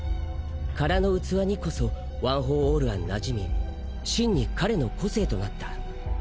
空の器にこそワン・フォー・オールは馴染み真に彼の個性となった。